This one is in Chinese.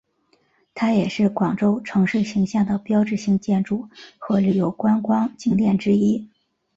它也是广州城市形象的标志性建筑和旅游观光景点之一。